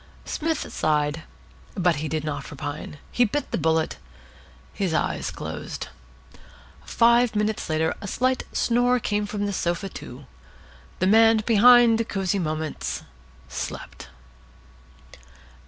Psmith sighed. But he did not repine. He bit the bullet. His eyes closed. Five minutes later a slight snore came from the sofa, too. The man behind Cosy Moments slept.